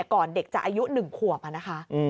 ก่อนเด็กจะอายุ๑ขวบนะคะ